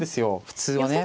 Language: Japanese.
普通はね。